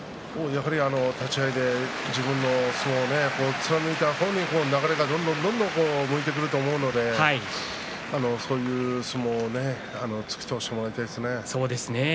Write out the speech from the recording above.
立ち合いで自分の相撲を貫いた方に流れが、どんどんどんどん向いてくると思うのでそういう相撲を突き通してほしいですね。